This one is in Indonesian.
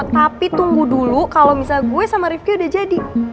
tapi tunggu dulu kalau misalnya gue sama rifki udah jadi